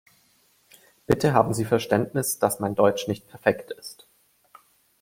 Bitte haben Sie Verständnis, dass mein Deutsch nicht perfekt ist.